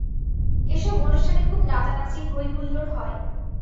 এসব অনুষ্ঠানে খুব নাচানাচি, হই হুল্লোড় হয়।